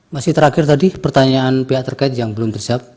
masih terakhir tadi pertanyaan pihak terkait yang belum terjawab